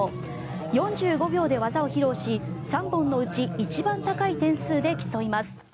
４５秒で技を披露し３本のうち一番高い点数で競います。